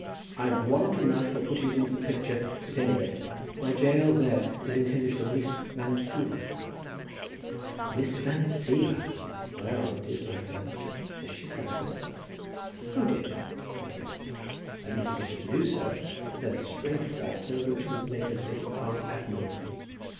"I've warrant enough for putting it into a picture, at any rate. My Jael there is intended for Miss Van Siever." "Miss Van Siever! Well, it is like her. Has she sat for it?" "O dear, no; not yet. I mean to get her to do so. There's a strength about her, which would make her sit the part admirably.